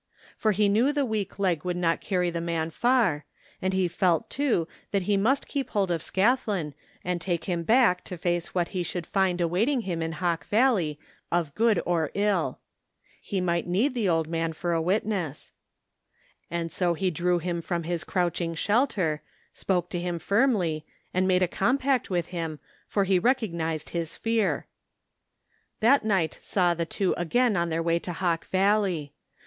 For he knew the weak leg could not carry the man far, and he felt too that he must keep hold of Scathlin and take him back to face what be should find awaiting him in Hawk Valley of good or ill He might need the old man for a witness. 133 THE FINDING OF JASPER HOLT And so he drew him from his crouching shelter, spoke to him firmly, and made a compact with him, for he recognized his fear. That night saw the two again on their way to Hawk Valley.